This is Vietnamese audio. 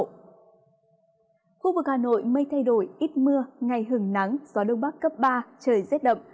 khu vực hà nội mây thay đổi ít mưa ngày hứng nắng gió đông bắc cấp ba trời rét đậm